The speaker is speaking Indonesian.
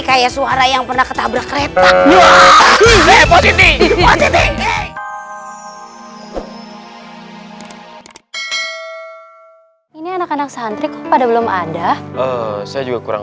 kayak suara yang pernah ketabrak kereta ini anak anak santri kok pada belum ada saya juga kurang